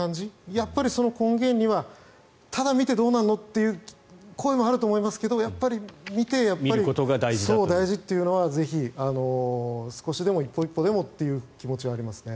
やっぱりその根源にはただ見てどうなるのという声もあると思いますがやっぱり見ることが大事というのはぜひ、少しでも１歩１歩でもという気持ちはありますね。